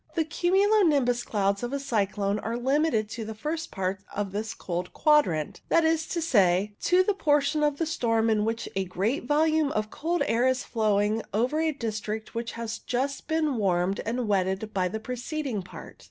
The cumulo nimbus clouds of a cyclone are limited to the first part of this cold quadrant, that is to say, to the portion of the storm in which a great volume of cold air is flowing over a district which has just been warmed and wetted by the preceding part.